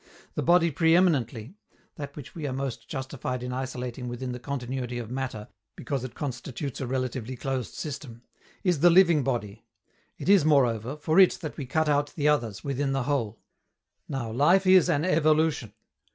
The body pre eminently that which we are most justified in isolating within the continuity of matter, because it constitutes a relatively closed system is the living body; it is, moreover, for it that we cut out the others within the whole. Now, life is an evolution.